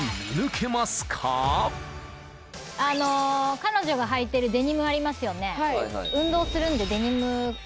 彼女がはいてるデニムありますよね。